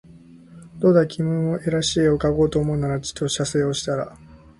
どうだ君も画らしい画をかこうと思うならちと写生をしたら